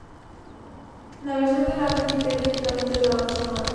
La versión del álbum difiere líricamente de la banda sonora.